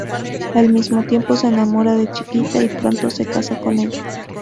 Al mismo tiempo se enamora de Chiquita y pronto se casa con ella.